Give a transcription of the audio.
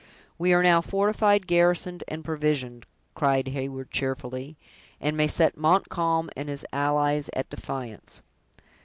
"We are now fortified, garrisoned, and provisioned," cried Heyward cheerfully, "and may set Montcalm and his allies at defiance.